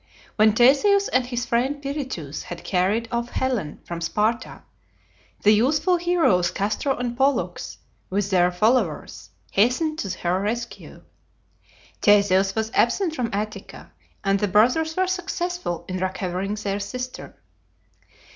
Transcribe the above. When Theseus and his friend Pirithous had carried off Helen from Sparta, the youthful heroes Castor and Pollux, with their followers, hastened to her rescue. Theseus was absent from Attica and the brothers were successful in recovering their sister.